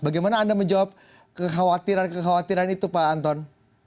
bagaimana anda menjawab kekhawatiran kekhawatiran itu pak anton